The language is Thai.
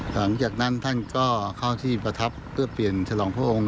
หลังจากนั้นท่านก็เข้าที่ประทับเพื่อเปลี่ยนฉลองพระองค์